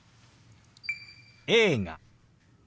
「映画」。